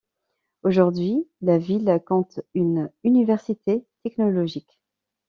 Aujourd'hui, la ville compte une université technologique.